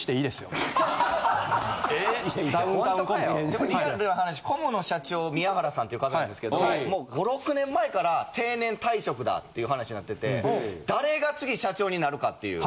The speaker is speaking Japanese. でもリアルな話コムの社長宮原さんって方なんですけどもう５６年前から定年退職だっていう話なってて誰が次社長になるかっていう。